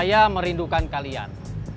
saya merindukan kalian